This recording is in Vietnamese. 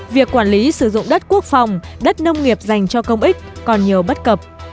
việc quản lý sử dụng đất quốc phòng đất nông nghiệp dành cho công ích còn nhiều bất cập